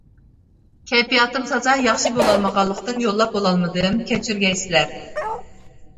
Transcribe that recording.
كەيپىياتىم تازا ياخشى بولالمىغانلىقتىن يوللاپ بولالمىدىم، كەچۈرگەيسىلەر!